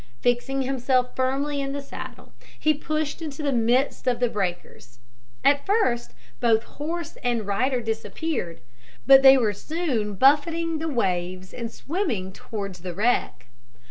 Fixing himself firmly in the saddle, he pushed into the midst of the breakers. At first both horse and rider disappeared; but soon they were soon buffeting the waves, and swimming towards the wreck.